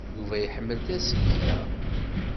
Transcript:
Yuba iḥemmel tasegda.